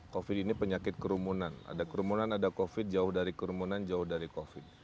covid ini penyakit kerumunan ada kerumunan ada covid jauh dari kerumunan jauh dari covid